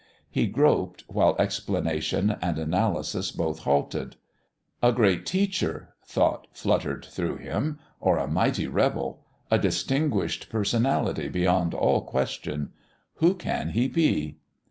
He groped, while explanation and analysis both halted. "A great teacher," thought fluttered through him, "or a mighty rebel! A distinguished personality beyond all question! Who can he be?"